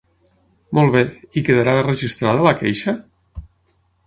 Molt bé, i quedara registrada la queixa?